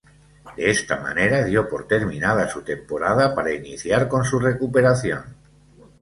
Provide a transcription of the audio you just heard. De esta manera, dio por terminada su temporada para iniciar con su recuperación.